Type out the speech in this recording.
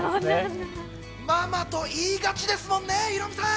ママと言いがちですもんね、ヒロミさん。